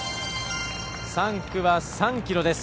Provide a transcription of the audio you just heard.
３区は３ｋｍです。